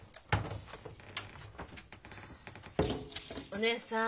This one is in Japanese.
お義姉さん。